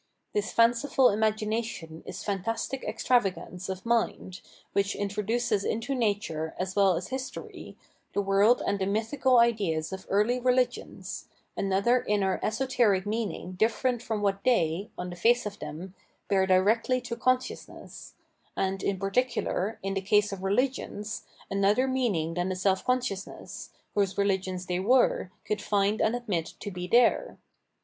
* This fanciful imagination is fantastic extravagance of mind, which introduces into nature as well as history, the world and the mythical ideas of early religions, another inner esoteric meaning difierent from what they, on the face of them, bear directly to consciousness, and, in particular, in the case of reli gions, another meaning than the self consciousness, whose religions they were, could find and admit to be there.